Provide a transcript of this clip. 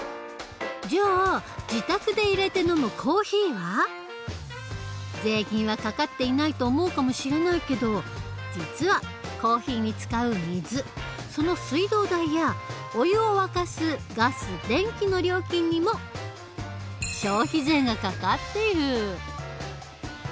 じゃあ税金はかかっていないと思うかもしれないけど実はコーヒーに使う水その水道代やお湯を沸かすガス電気の料金にも消費税がかかっている。